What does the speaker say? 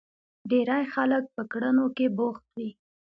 ډېری خلک په کړنو کې بوخت وي.